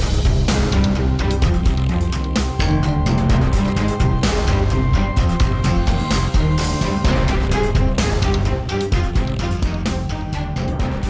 eh ingat ya